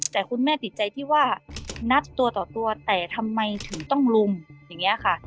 แต่คุณแม่ติดใจที่ว่านัดตัวต่อตัวแต่ทำไมถึงต้องลุมอย่างนี้ค่ะ